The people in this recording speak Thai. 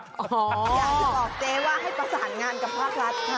อยากจะบอกเจ๊ว่าให้ประสานงานกับภาครัฐค่ะ